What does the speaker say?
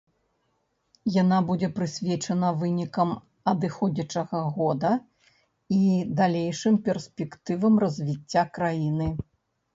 Яна будзе прысвечана вынікам адыходзячага года і далейшым перспектывам развіцця краіны.